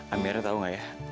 amirnya tau gak ya